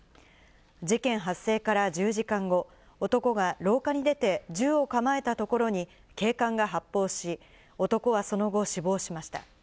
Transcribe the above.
事件発生から１０時間後、男が廊下に出て銃を構えたところに警官が発砲し、男はその後、死亡しました。